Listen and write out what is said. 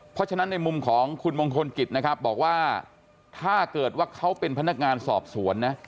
เพราะฉะนั้นในมุมของคุณมงคลกิจนะครับบอกว่าถ้าเกิดว่าเขาเป็นพนักงานสอบสวนนะ